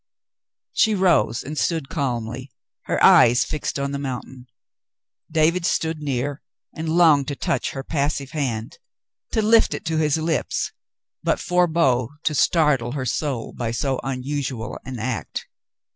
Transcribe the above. She rose and stood calmly, her eyes fixed on the moun tain. David stood near and longed to touch her passive hand — to lift it to his lips — but forebore to startle her soul by so unusual an act.